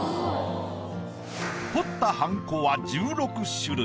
彫ったはんこは１６種類。